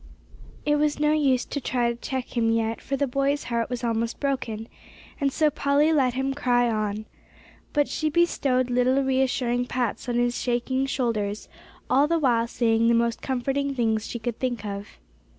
It was no use to try to check him yet, for the boy's heart was almost broken, and so Polly let him cry on. But she bestowed little reassuring pats on his shaking shoulders, all the while saying the most comforting things she could think of.